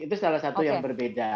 itu salah satu yang berbeda